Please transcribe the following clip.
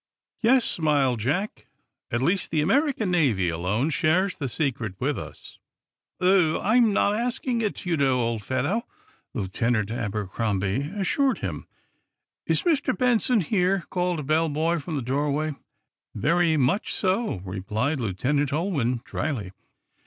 "Yes," smiled Jack. "At least, the American Navy alone shares the secret with us." "Oh, I'm not asking it, you know, old fellow," Lieutenant Abercrombie assured him. "Is Mr. Benson here?" called a bell boy, from the doorway. "Very much so," replied Lieutenant Ulwin, dryly.